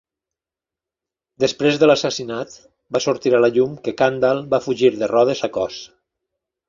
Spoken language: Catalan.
Després de l'assassinat va sortir a la llum que Càndal va fugir de Rodes a Cos.